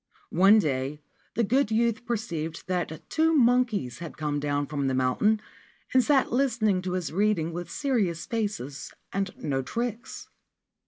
One day the good youth perceived that two monke) had come down from the mountain and sat listenin to his reading with serious faces and no tricks.